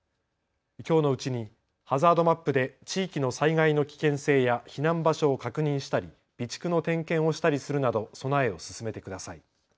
きょうのうちにハザードマップで地域の災害の危険性や避難場所を確認したり備蓄の点検をしたりするなど備えを進めてください。